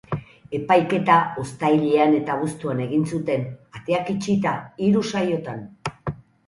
Epaiketa uztailean eta abuztuan egin zuten, ateak itxita, hiru saiotan.